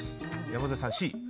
山添さん、Ｃ。